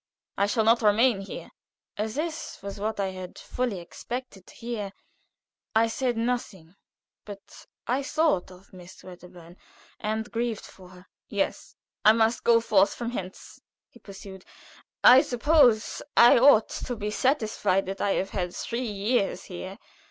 I shall not remain here." As this was what I had fully expected to hear, I said nothing, but I thought of Miss Wedderburn, and grieved for her. "Yes, I must go forth from hence," he pursued. "I suppose I ought to be satisfied that I have had three years here.